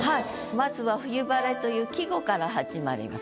まずは「冬晴」という季語から始まります。